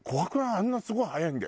あんなすごい速いんだよ？